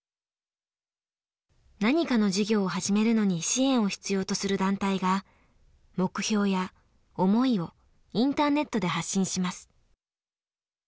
何かの事業を始めるのに支援を必要とする団体が目標や思いをインターネットで発信します。